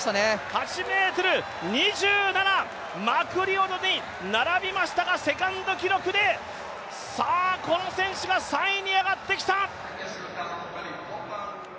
８ｍ２７、マクリオドに並びましたがセカンド記録で、この選手が３位に上がってきた！